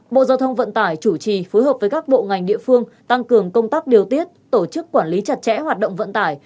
bộ giao thông vận tải chủ trì phối hợp với các bộ ngành địa phương tăng cường công tác điều tiết tổ chức quản lý chặt chẽ hoạt động vận tải